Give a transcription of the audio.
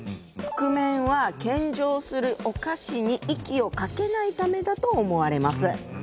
覆面は献上するお菓子に息をかけないためだと思われます。